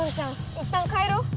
いったん帰ろう。